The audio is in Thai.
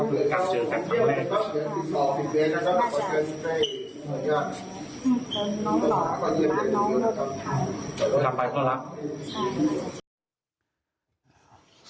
ต้องกลับไปเพราะรัก